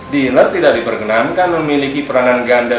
dinner tidak diperkenankan memiliki peranan ganda